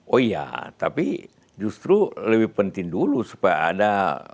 oh iya tapi justru lebih penting dulu supaya ada